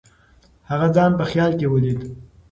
هغه ځان په خیال کې ولید.